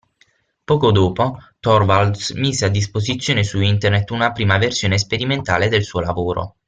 Poco dopo, Torvalds mise a disposizione su Internet una prima versione sperimentale del suo lavoro.